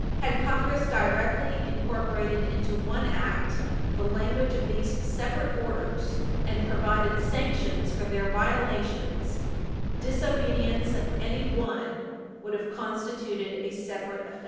Had Congress directly incorporated into one Act the language of these separate orders, and provided sanctions for their violations, disobedience of any one would have constituted a separate offense.